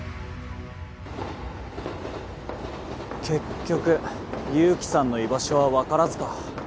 結局勇気さんの居場所はわからずか。